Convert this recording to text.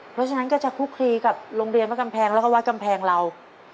เพราะฉะนั้นก็จะคุกคลีกับโรงเรียนวัดกำแพงแล้วก็วัดกำแพงเรา